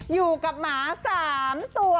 อยู่กับหมา๓ตัว